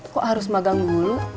kok harus magang dulu